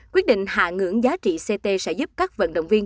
quyết định hạ ngưỡng giá trị ct sẽ giúp các vận động viên